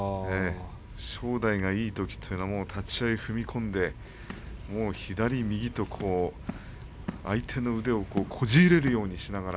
正代がいいときというのは立ち合い、踏み込んで左、右と相手の腕をこじ入れるようにしながら